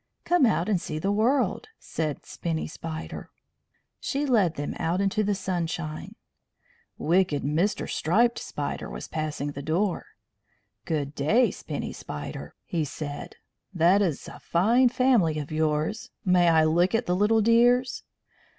"Come out and see the world," said Spinny Spider. She led them out into the sunshine. Wicked Mr. Striped Spider was passing the door. "Good day, Spinny Spider!" he said. "That is a fine family of yours. May I look at the little dears?"